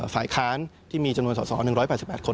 ฝ่ายค้านที่มีจำนวนสอสอ๑๘๘คน